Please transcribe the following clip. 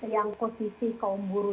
yang posisi kaum buru